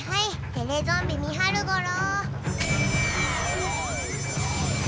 テレゾンビ見はるゴロ。